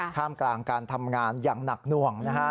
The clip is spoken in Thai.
ท่ามกลางการทำงานอย่างหนักหน่วงนะฮะ